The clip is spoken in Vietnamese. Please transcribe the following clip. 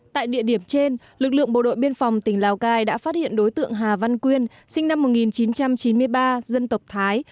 tại địa điểm trên lực lượng bộ đội biên phòng tỉnh lào cai đã phát hiện đối tượng hà văn quyên sinh năm một nghìn chín trăm chín mươi ba dân tộc thái